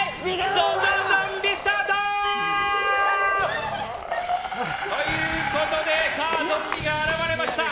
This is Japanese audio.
ゾゾゾンビスタート！ということでゾンビが現れました。